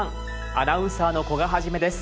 アナウンサーの古賀一です。